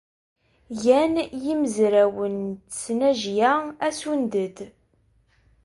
Gan yimezrawen n tesnajya asunded.